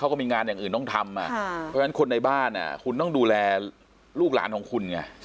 เขาก็มีงานอย่างอื่นต้องทำเพราะฉะนั้นคนในบ้านคุณต้องดูแลลูกหลานของคุณไง